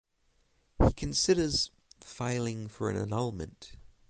He considers filing for an annulment.